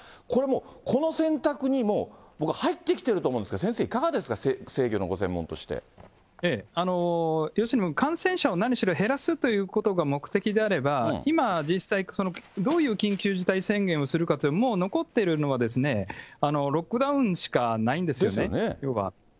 これもう、この選択に僕、入ってきていると思うんですが、先生、いかがですか、制御のご専門として。要するに感染者を何しろ、減らすということが目的であれば、今、実際どういう緊急事態宣言をするかというと、もう残っているのは、ロックダウンしかないんですよね、ようは。